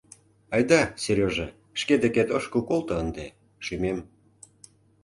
— Айда, Серёжа, шке декет ошкыл колто ынде, шӱмем!